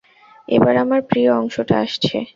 এবার আমার প্রিয় অংশটা আসছে।